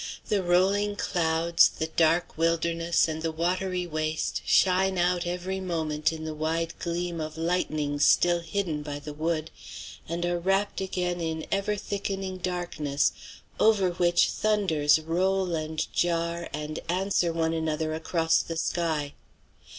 The rolling clouds, the dark wilderness, and the watery waste shine out every moment in the wide gleam of lightnings still hidden by the wood, and are wrapped again in ever thickening darkness over which thunders roll and jar, and answer one another across the sky.